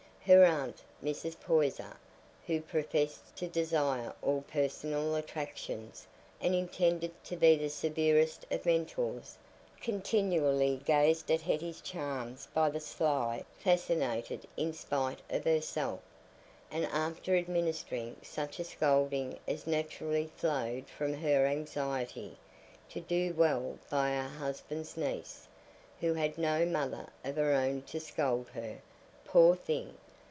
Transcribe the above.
Her aunt, Mrs. Poyser, who professed to despise all personal attractions and intended to be the severest of mentors, continually gazed at Hetty's charms by the sly, fascinated in spite of herself; and after administering such a scolding as naturally flowed from her anxiety to do well by her husband's niece—who had no mother of her own to scold her, poor thing!